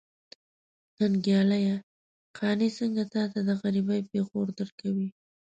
ننګياله! قانع څنګه تاته د غريبۍ پېغور درکوي.